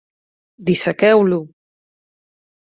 Dissequeu-lo!